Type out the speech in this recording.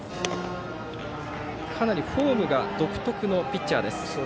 かなりフォームが独特のピッチャー、寺田。